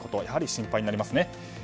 やはり心配になりますね。